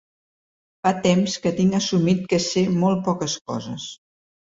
Fa temps que tinc assumit que sé molt poques coses.